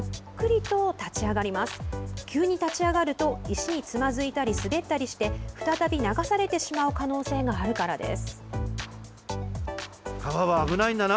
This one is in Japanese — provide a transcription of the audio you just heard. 急に立ち上がると石につまずいたり、滑ったりして再び流されてしまう可能性があるからです。